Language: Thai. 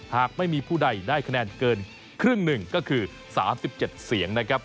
หากไม่มีผู้ใดได้คะแนนเกินครึ่งหนึ่งก็คือ๓๗เสียงนะครับ